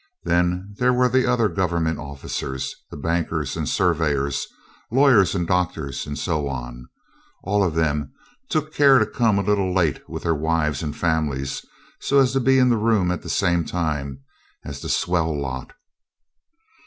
Then there were the other Government officers, the bankers and surveyors, lawyers and doctors, and so on. All of them took care to come a little late with their wives and families so as to be in the room at the same time as the swell lot.